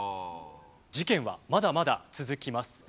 事件はまだまだ続きます。